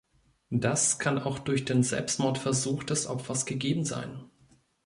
Das kann auch durch den Selbstmordversuch des Opfers gegeben sein.